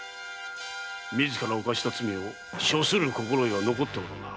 自ら犯した罪を処する心得は残っておろうな。